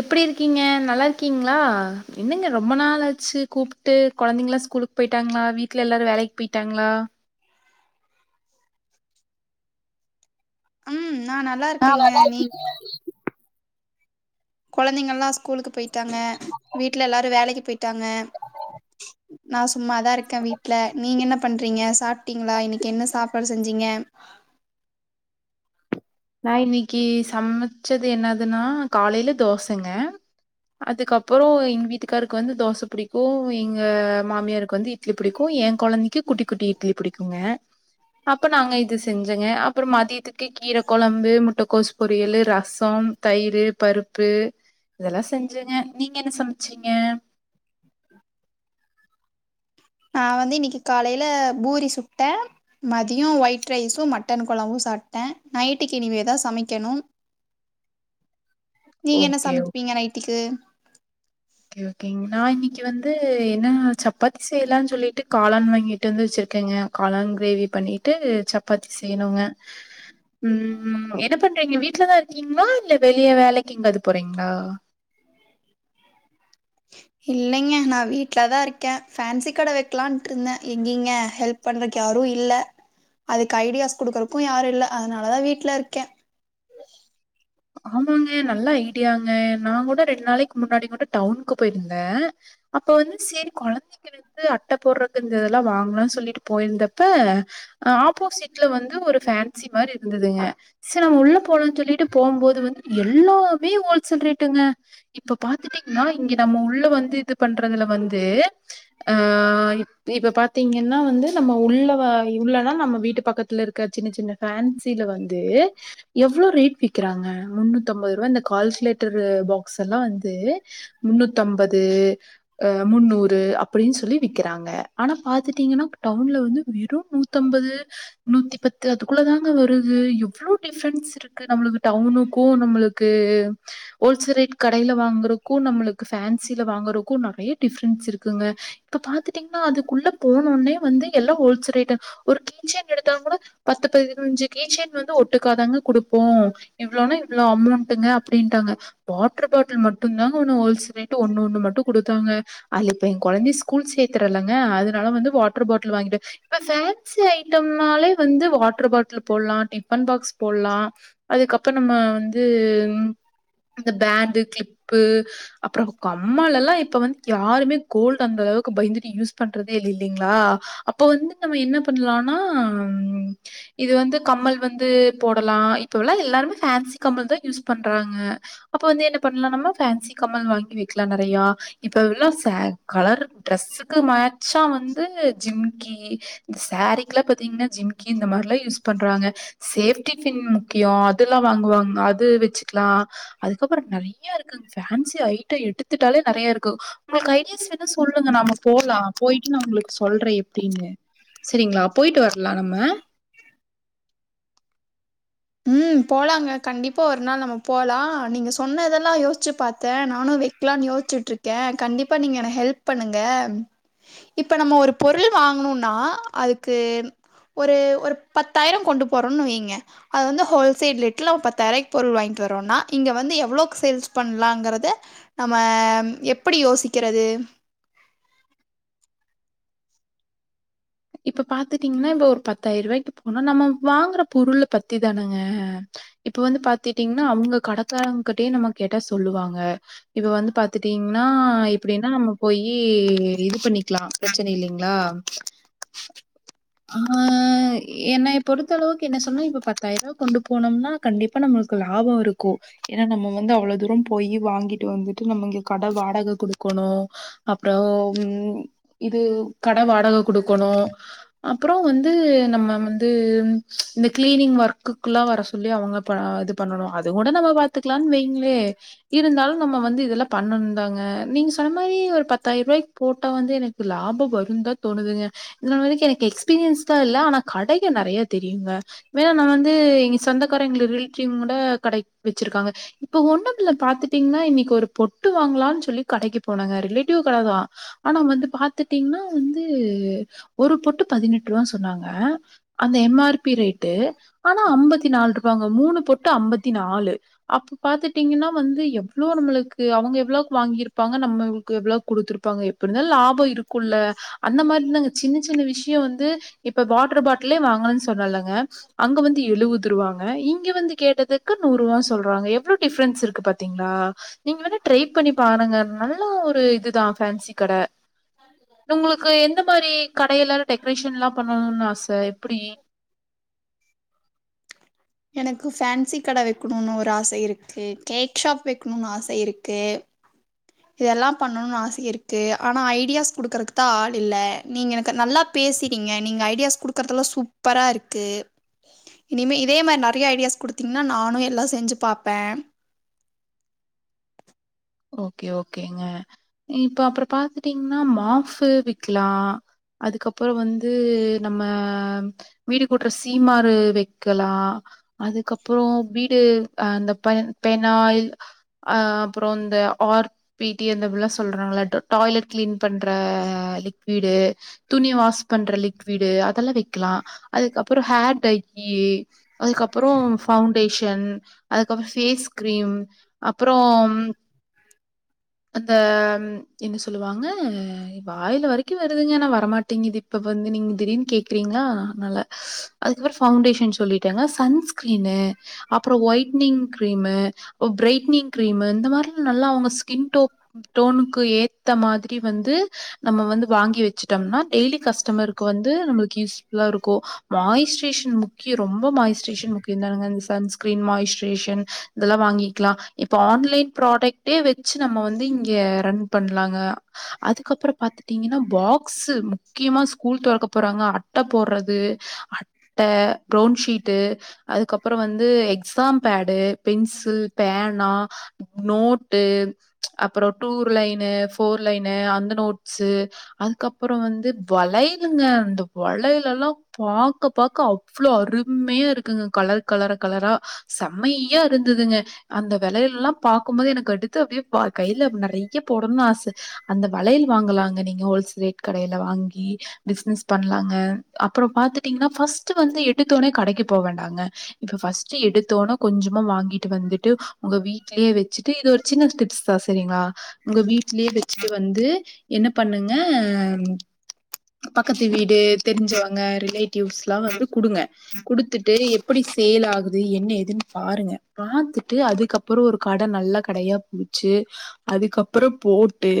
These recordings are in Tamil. எப்டி இருக்கீங்க நல்லா இருக்கீங்ளா என்னங்க ரொம்ப நாள் ஆச்சு கூப்ட்டு கொழந்தைங்களா ஸ்கூலுக்கு போயிட்டாங்ளா வீட்ல எல்லாரோ வேலைக்கு போயிட்டாங்ளா அம் நா நல்லா இருக்கங்க நீ கொழந்தைங்களா ஸ்கூலுக்கு போயி டாங்க வீட்ல எல்லாரோ வேலைக்கு போயிட்டாங்க நா சும்மாதா இருக்கே வீட்ல நீங்க என்ன பண்றீங்க சாப்ட்டீங்களா இன்னிக்கு என்ன சாப்பாடு செஞ்சீங்க நா இன்னிக்கு சமச்சது என்னாதுனா காலைல தோசங்க அதுக்கப்பறோ எங்க வீட்டுக்கார்க்கு வந்து தோச பிடிக்கோ எங்க மாமியாருக்கு வந்து இட்லி பிடிக்கோ என் கொழந்தைக்கு குட்டி குட்டி இட்லி பிடிக்குங்க அப்ப நாங்க இது செஞ்சங்க அப்பறம் மதிதிக்கு கீர குழம்பு முட்டைக்கோசு பொரியல் ரசம் தயிர் பருப்பு இதெல்லாம் செஞ்சுங்க நீங்க என்ன சமைச்சீங்க நான் வந்து இன்னைக்கு காலையில பூரி சுட்டேன் மதியம் ஒயிட் ரைஸும் மட்டன் குழம்பும் சாப்பிட்டேன் நைட்டுக்கு இனிமேதான் சமைக்கணும் நீங்க என்ன ஓகே சமைப்பீங்க நைட்டிக்கு கே ஓகேங்க நான் இன்னைக்கு வந்து என்ன சப்பாத்தி செய்யலாம்னு சொல்லிட்டு காளான் வாங்கிட்டு வந்து வச்சிருக்கேங்க காளான் கிரேவி பண்ணிட்டு சப்பாத்தி செய்யணுங்க உம் என்ன பண்றீங்க வீட்டு்லதான் இருக்கீங்களா இல்ல வெளிய வேலைக்கு எங்காவது போறீங்களா இல்லைங்க நான் வீட்டுலதான் இருக்கே ஃபேன்சி கடை வைக்கலாம்ட்டு இருந்தேன் எங்கீங்க ஹெல்ப் பண்றக்கு யாரும் இல்ல அதுக்கு ஐடியாஸ் குடுக்கறக்கும் யாரும் இல்ல அதனாலதான் வீட்டுல இருக்கேன் ஆமாங்க நல்ல ஐடியாங்க நான் கூட ரெண்டு நாளைக்கு முன்னாடி கூட டவுனுக்கு போயிருந்தேன் அப்ப வந்து சரி குழந்தைங்க வந்து அட்டை போடுறக்கு இதெல்லாம் வாங்கலாம்னு சொல்லிட்டு போயிருந்தப்ப ஆப்போசிட்ல வந்து ஒரு ஃபேன்சி மாதிரி இருந்ததுங்க சரி நம உள்ள போலாம்னு சொல்லிட்டு போம்போது வந்து எல்லாமே ஹோல்சேல் ரேட்டுங்க இப்ப பாத்துட்டீங்கன்னா இங்க நம்ம உள்ள வந்து இது பண்றதுல வந்து அ இப்ப பார்த்தீங்கன்னா வந்து நம்ம உள்ள உள்ளனா நம்ம வீட்டு பக்கத்துல இருக்க சின்ன சின்ன ஃபேன்சில வந்து எவ்வளோ ரேட் வி க்றாங்க முண்ணூத்தம்பது ரூவா இந்த கால்குலேட்டர் பாக்ஸ் எல்லாம் வந்து முன்னூத்தம்பது முன்னூறு அப்படின்னு சொல்லி விக்கிறாங்க ஆனா பாத்துட்டீங்கன்னா டவுன்ல வந்து வெறும் நூத்தம்பது நூத்தி பத்து அதுக்குள்ள தாங்க வருது எவ்ளோ டிஃப்ரன்ஸ் இருக்கு நம டவுனுக்கும் நம்மளுக்கு ஹோல்சேல் ரேட் கடையில வாங்குரதுக்கும் நம்மளுக்கு ஃபேன்சில வாங்குறக்கும் நிறைய டிஃப்ரன்ஸ் இருக்குங்க இப்ப பாத்துட்டீங்கன்னா அதுக்குள்ள போனோடனே வந்து எல்லாம் ஹோல்சேல் ரேட் ஒரு கீசைன் எடுத்தா கூட பத்து பதினஞ்சு கீசைன் வந்து ஒட்டுக்காதாங்க குடுப்போம் இவ்வளோன்னா இவ்வளோ அமௌண்ட்ங்க அப்டின்ட்டாங்க வாட்டர் பாட்டில் மட்டும்தாங்க ஒன்னு ஹோல்சேல் ரேட்டு ஒன்னு ஒன்னு மட்டும் கொடுத்தாங்க அது இப்ப குழந்தைய ஸ்கூல் சேர்த்தறல்லைங்க அதனால வந்து வாட்டர் பாட்டில் வாங்கிடு இப்ப ஃபேன்சி ஐட்டம்னாலே வந்து வாட்டர் பாட்டில் போடலாம் டிஃபன் பாக்ஸ் போடலாம் அதுக்கப்புறம் இப்ப நம்ம வந்து இந்த பேண்டு கிளிப்பு அப்புறம் கம்மல் எல்லாம் இப்ப வந்து யாருமே கோல்டு அந்த அளவுக்கு பயந்துட்டு யூஸ் பண்றதே இல்லை இல்லைங்களா அப்ப வந்து நம்ம என்ன பண்ணலாம்னா ஹம் இது வந்து கம்மல் வந்து போடலாம் இப்போல்லாம் எல்லாரு ஃபேன்சி கம்மல் தான் யூஸ் பண்றாங்க அப்போ வந்து என்ன பண்ணலாம் நம்ம ஃபேன்சி கம்மல் வாங்கி வைக்கலாம் நிறையா இப்போல்லாம் ச கலர் ட்ரெஸ்ஸுக்கு மேட்சாக வந்து ஜிம்கி இந்த சேரீக்கெலாம் பாத்தீங்கன்னா ஜிம்கி இந்த மாதிரிலாம் யூஸ் பண்றாங்க சேஃப்டி ஃபின் முக்கியம் இதுல்லாம் வாங்குவாங்க அது வச்சுக்கலாம் அதுக்கப்புறம் நிறைய இருக்கு ஃபேன்சி ஐட்டம் எடுத்துட்டாலே நிறைய இருக்கு உங்களுக்கு ஐடியாஸ் வேணும்னா சொல்லுங்க நாம போலாம் போயிட்டு நான் உங்களுக்கு சொல்றேன் எப்படின்னு சரிங்களா போயிட்டு வரலாம் நம்ம உம் போலாங்க கண்டிப்பா ஒரு நாள் நம்ம போலாம் நீங்க சொன்னதெல்லாம் யோசிச்சு பாத்தேன் நானும் வைக்கலாம்னு யோசிச்சுட்டு இருக்கேன் கண்டிப்பா நீங்க என் ஹெல்ப் பண்ணுங்க இப்ப நம்ம ஒரு பொருள் வாங்கணும்னா அதுக்கு ஒரு ஒரு பத்தாயிரம் கொண்டு போறோம்ன்னு வைங்க அது வந்து ஹோல்சேல் ரேட்ல பத்தாயிரம் ருபாய்க்கு பொருள் வாங்கிட்டு வரோம்னா இங்க வந்து எவ்வளோக்கு சேல்ஸ் பண்ணலாம்ங்கறத நம்ம எப்டி யோசிக்கிறது இப்ப பாத்துட்டீங்கன்னா இப்ப ஒரு பத்தாயிரம் ரூபாய்க்கு போனா நம்ம வாங்குற பொருளை பத்தி தானேங்க இப்ப வந்து பாத்துட்டீங்கன்னா அவங்க கடக்கங்கிட்டயே நம்ம கேட்டா சொல்லுவாங்க இப்ப வந்து பாத்துட்டீங்கன்னா இப்படின்னா நம்ம போயி இது பண்ணிக்கலாம் பிரச்சனை இல்லைங்களா ஆஹ் என்ன பொறுத்த அளவுக்கு என்ன சொன்னும் இப்ப பத்தாயிரம் ரூபாய் கொண்டு போனோம்னா கண்டிப்பா நம்மளுக்கு லாபம் இருக்கும் ஏன்னா நம்ம வந்து அவ்வளவு தூரம் போயி வாங்கிட்டு வந்துட்டு நம்ம இங்க கடை வாடகை கொடுக்கணும் அப்புறம் உ இது கடை வாடகை கொடுக்க க்கணும் அப்புறம் வந்து நம்ம வந்து இந்த கிளீனிங் ஒர்க்குக்குல்லாம் வர சொல்லி அவங்க இது பண்ணணும் அது கூட நம்ம பாத்துக்கலாம்னு வைங்களே இருந்தாலும் நம்ம வந்து இதெல்லாம் பண்ணணும் தாங்க நீங்க சொன்ன மாதிரி ஒரு பத்தாயிரம் ரூபாய்கு போட்டா வந்து எனக்கு லாபம் வரும் தா தோணுதுங்க இதுநாள் வரைக்கும் எனக்கு எக்ஸ்பீரியன்ஸ் தான் இல்ல ஆனா கடைகள் நிறைய தெரியுங்க ஏன்னா நான் வந்து எங்க சொந்தக்காரன் எங்க ரிலேட்டிவ் கூட கடை வச்சிருக்காங்க இப்ப ஒண்ணுல பாத்துட்டீங்கன்னா இன்னைக்கு ஒரு பொட்டு வாங்கலாம்னு சொல்லி கடைக்கு போனாங்க ரிலேட்டிவ் கடை தான் ஆனா வந்து பாத்துட்டீங்கன்னா வந்து ஒரு பொட்டு பதினெட்டு ரூபான்னு சொன்னாங்க அந்த எம் ஆர் பி ரேட்டு ஆனா ஐம்பத்தி நாலு ரூபாங்க மூணு பொட்டு ஐம்பத்தி நாலு அப்ப பாத்துட்டீங்கன்னா வந்து எவ்ளோ நம்மளுக்கு அவுங்க எவ்ளோவுக்கு வாங்க இருப்பாங்க நம்மளுக்கு எவ்வளவுக்கு குடுத்துருப்பாங்க எப்டி இருந்தாலும் லாபம் இருக் க்குள்ள அந்த மாதிரி இருந்தாங்க இன்னும் சின விஷயம் வந்து இப்ப வாட்டர் பாட்டிலே வாங்கணும்னு சொன்னலங் ங்க அங்க வந்து எழுபது ரூவாங்க இங்க வந்து கேட்டதுக்கு நூறு ரூவனு சொல்றாங்க எவ்ளோ டிஃரன்ஸ் இருக்கு பாத்தீங்களா நீங்க வே ட்ரை பண்ணி பாருங்க நல்லா ஒரு இதுதான் ஃபேன்சி கடை உங்களுக்கு எந்த மாரி கடையல்ல டெக்கரேஷன் எல்லாம் பண்ணணும்னு ஆசை எப்டி எனக்கு ஃபேன்சி கடை வைக்கணும்னு ஒரு ஆசை இருக்கு கேக் ஷாப் வைக்கணும்னு ஆசை இருக்கு இதெல்லாம் பண்ணணும்னு ஆசை இருக்கு ஆனா ஐடியாஸ் கொடுக்கறக்கு தான் ஆள் இல்லை நீங்க எனக்கு நல்லா பேசிறீங்க நீங்க ஐடியாஸ் கொடுக்கறதெல்லாம் சூப்பர இருக்கு இனிமே இதே மாதிரி நிறைய ஐடியாஸ் குடுத்தீங்கன்னா நானும் எல்லாம் செஞ்சு பாார்ப்பேன் ஓகே ஓகேங்க இப்ப அப்புறம் பாத்துட்டீங்கன்னா மாஃபு வக்கலாம் அதுக்கப்புறம் வந்து நம்ம வீடு கூட்டுற சீமாறு வைக்கலாம் அதுக்கப்புறம் வீடு அஹ் அந்த பெனாயில் அஹ் அப்புறம் து ஆர் பி டி ந்த சொல்றாங்கள டாய்லெட் கிளீன் பண்ற லிக்விடு துணி வாஷ் பண்ற லிக்விடு அதெல்லாம் வைக்கலாம் அதுக்கப்புறம் ஹேர் டைகி அதுக்கப்புறம் ஃபவுண்டேஷன் அதுக்கப்புறம் ஃபேஸ் கிரீம் அப்புறம் அந்த என்ன சொல்லுவாங்க வாயில வரைக்கும் வருதுங்கன்னா வரமாட்டேங்குது இப்ப வந்து நீங்க திடீர்னு கேக்குறீங்களா நல்ல அதுக்கப்புறம் பவுண்டேஷன் சொல்லிட்டேங்க சன்ஸ்கிரீனு அப்புறம் ஒயட்னிங் கிரீமு பிரைட்னிங் கிரீமு இந்த மாரிலா நல்லா அவுங்க ஸ்கின் டோ டோனுக்கு ஏத்த மாதிரி வந்து நம்ம வந்து வாங்கி வச்ட்டம்னா டெய்லி கஸ்டமருக்கு வந்து நம்ளுக்கு யூஸ்ஃபுல்லா இருக்கும் மாயிஸ்டரேஷன் முக்கியம் ரொம்பாயிஸ்ட்ரேஷன் முக்கியம் தானுங்க அந்த சன் ஸ்கீன் மாய்ஸ்டரேஷன் இதெல்லாம் வாங்கிக்கலாம் இப்ப ஆன்லைன் ப்ராடக்ட்டே வச்சு நம்ம வந்து இங்க ரன் பண்ணலாங்க அதுக்கப்புறம் பாத்துட்டீங்கன்னா பாக்ஷு முக்கியமா ஸ்கூல் தொறக்க போறாங்க அட்டை போடுறது அட்டை ப்ரவுன்ஷீட்டு அதுக்கப்புறம் வந்து எக்ஸாம் பேடு பென்சில் பேனா நோட்டு அப்புறம் டூர் லைனு ஃபோர் லைனு அந்த நோட்ஸு அதுக்கப்புறம் வந்து வளையலுங்க அந்த வளையல எல்லாம் பாக்க பாக்க அவ்வளோ அருமையா இருக்குங்க கலர் கலர கலரா செம்மையா இருந்ததுங்க அந்த வளையல எல்லாம் பாக்கபோது எனக்கு அடுத்து அப்பிடியே வா கைல நெறைய போடணனு ஆச அந்த வளையல் வாங்கலாங்க நீங்க ஹோல்சேல் ரேட் கடையில வாங்கி பிசினஸ் பண்ணலாங்க அப்புறோ பாத்துட்டீங்கன்னா ஃபஸ்ட்டு வந்து எடுத்தோனே கடைக்கு போ வேண்டாங்க இப்போ ஃபஸ்ட்டு எடுத்தோனா கொஞ்சுமா வாங்கிட்டு வந்துட்டு உங்க வீட் லேய வெச்சுட்டு இது ஒரு சின்ன டிப்ஸ் தா சரிங்களா உங்க வீட்லியே வெச்சுட்டு வந்து என்ன பண்ணுங்க பக்கத்து வீடு தெரிஞ்சவங்க ரிலேட்டிவ்ஸ் லா வந்து குடுங்க குடுத்துட்டு எப்பிடி சேலாகுது து என்ன எதுன்னு பாருங்க பாத்துட்டு அதுக்கப் அப்புறோ ஒரு கட நல்லா கடையா புடிச்சு அதுக்கப்புறோ போட்டு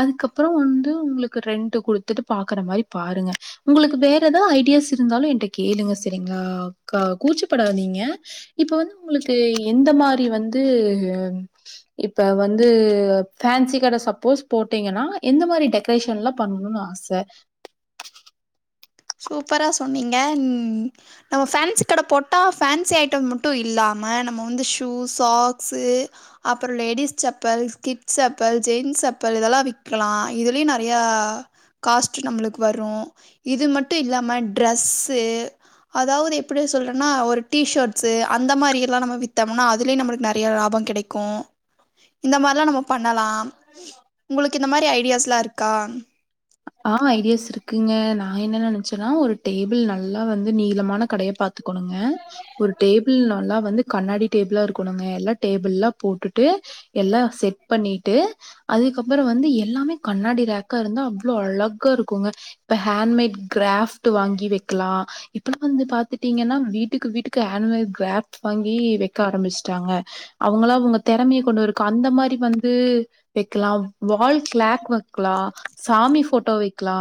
அதுக்கப்புறோ வந்து உங்களுக்கு ரெண்ட் கொடுத்துட்டு பாக்குற மாரி பாருங்க உங்களுக்கு வேற எதாவது ஐடியாஸ் இருந்தாலு என்ட கேளுங்க சரிங்களா கா கூச்சப்படாதீங்க இப்ப வந்து உங்களுக்கு எந்த மாரி வந்து வந்து இப்ப வந்து ஃபேன்சி கடை சப்போஸ் போட்டீங்கன்னா எந்த மாரி டெக்ரேஷன் எலா பண்ணணுனு ஆச சூப்பரா சொன்னீங்க நம்ம ஃபேன்சி கடை போட்டா ஃபன்சி ஐட்டம் மட்டு இல்லாம நம்ம வந்து ஷூஸ் சாக்ஸு அப்புறோ ladies chappal kids chappal gents chappal இதெல்லா விக்கலா இதுலயு நெறையா காஸ்ட்டு நம்மளுக்கு வரு இது மட் மட்டு இல்லாம ட்ரெஸ்ஸு அதாவது எப்பிடி சொல்றோனா ஒரு டிஷர்ட்ஸு அந்த மாரி எல்லா நம்ம வித்தம்னா அதுலையும் நம்மளுக்கு நெறைய லாபம் கெடைக்கு இந்த மாரிலாம் நம்ம பண்ணலாம் உங்களுக்கு இந்த மாதிரி ஐடியாஸ் எல்லா இருக்கா ஆ ஐடியாஸ் இருக்குங்க நா என்னன்ன நெனைச்சேன்னா ஒரு டேபிள் நல்லா வந்து நீளமான கடையொ பாத்துக்கணுங்க ஒரு டேபிள் நல்லா வந்து கண்ணாடி டேபிளா இருக்கணுங்க எல்லா டேபிள் எல்லா போட்டு ட்டு எல்லா செட் பண்ணி ட்டு அதுக்கப்புறோ வந்து எல்லாமே கண்ணாடி ரேக்கா இருந்தா எவ்ளோ அழகா இருக்குங்க இப்ப ஹேண்ட்மேட் கிராப்ட் வாங்கி வெக்கலா இப்பல்ல வந்து பாத்துட்டீங்கன்னா வீட்டுக்கு வீட்டுக்கு ஹேண்ட்மேட் கிராப்ட் வாங்கி வெக்க ஆரம்பிச்சுட்டாங்க அவங்களா அவங்க தேறமையை கொண்டு இருக்கும் அந்த மாரி வந்து வெக்கலா வால் க்ளேக் வக்கலா சாமி போட்டோ வெக்கலா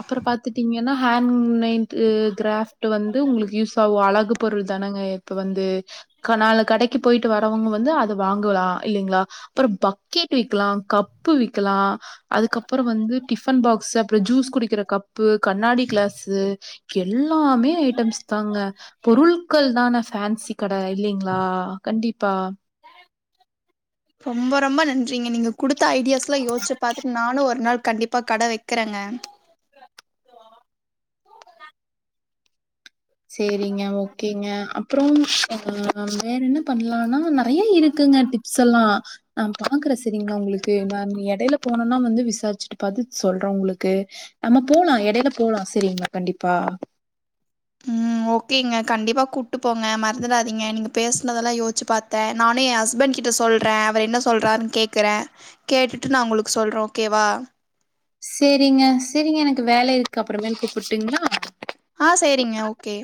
அப்புறோ பாத்துட்டீங்கன [unintelligible] து கிராப்ட் வந்து உங்களுக்கு யூஸ் ஆவு அழகு பெருள் தனங்க இப்ப வந்து க நாலு கடைக்கு போயிட்டு வரவங்க வந்து அத வாங்குலா இல்லைங்களா அப்புறோ பக்கெட்டு விக்கலா கப்பு விக்கலா அதுக்குப் அப்புற வந்து டிஃபன் பாக்ஸ் அப்புற ஜூஸ் குடிக்கிற கப்பு கண்ணாடி கிளாஸு எல்லாமே ஐட்டம்ஸ் தாங்க பொருள்கள் தான ஃபான்சி கடை இல்லைங்களா கண்டிப்பா ரொம்ப ரொம்ப நன்றிங்க நீங்க [unintelligible] குடுத்த ஐடியாஸ்லா யோசிச்சு பாத்துட்டு நானு ஒரு நாள் கண்டிப்பா கடை வெக்கிறேங்க சேரிங்க ஓக்கேங்க அப்புறோ ஆ வேற என்ன பண்ணலானா நறைய இருக்குங்க டிப்ஸ்லா நா பாக்குற சரிங்களா உங்களுக்கு நான் இடையில போனம்னா வந்து விசாரிச்சுட்டு பாத்துடு சொல்ற உங்களுக்கு நம்ம போலா இடையில போல சரிங்களா கண்டிப்பா ம் ஓக்கேங்க கண்டிப்பா கூப்பிட்டு போங்க மறந்துடாதீங்க நீங்க பேசுனதெல்லா யோசிச்சு பாத்தே நானு எ ஹஸ்பண்ட் கிட்ட சொல்றே அவர் என்ன சொல்றாறுனு கேட்கறே கேட்டுட்டு நா உங்களுக்கு சொல்றே ஓக்கேவா சேரிங்க சேரிங்க எனக்கு வேலை இருக்கு அப்புறமேல் கூப்பிட்டுங்களா ஆ சேரிங்க ஓக்கே